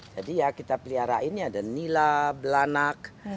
jadi ya kita pelihara ini ada nila belanak